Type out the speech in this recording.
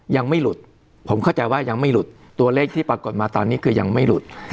ยังไม่หลุดผมเข้าใจว่ายังไม่หลุดตัวเลขที่ปรากฏมาตอนนี้คือยังไม่หลุด